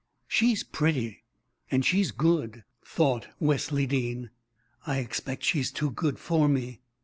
"She's pretty and she's good," thought Wesley Dean. "I expect she's too good for me."